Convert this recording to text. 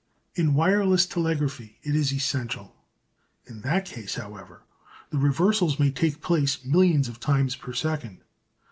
In wireless telegraphy it is essential. In that case, however, the reversals may take place millions of times per second.